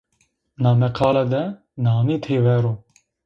Na meqale de nanî têver o